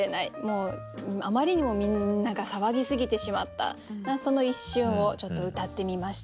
あまりにもみんなが騒ぎすぎてしまったその一瞬をちょっとうたってみました。